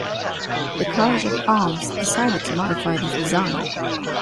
The College of Arms decided to modify this design.